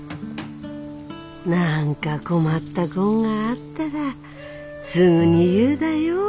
「何か困ったこんがあったらすぐに言うだよ。